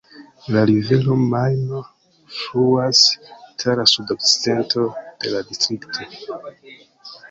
La rivero Majno fluas tra la sud-okcidento de la distrikto.